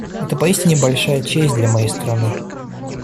Это поистине большая честь для моей страны.